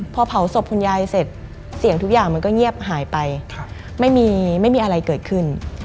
พอเผาศพคุณยายเสร็จเสียงทุกอย่างมันก็เงียบหายไปไม่มีอะไรเกิดขึ้น